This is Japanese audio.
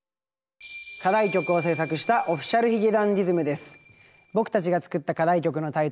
課題曲を制作したＯｆｆｉｃｉａｌ髭男ｄｉｓｍです。